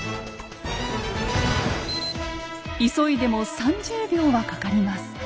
急いでも３０秒はかかります。